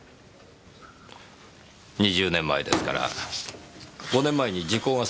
２０年前ですから５年前に時効が成立していますね。